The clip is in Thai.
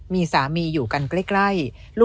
มีสามีอยู่กันใกล้